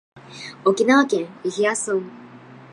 沖縄県伊平屋村